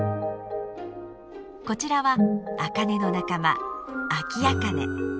こちらはアカネの仲間アキアカネ。